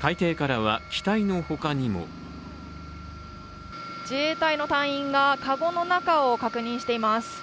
海底からは、機体の他にも自衛隊の隊員が籠の中を確認しています。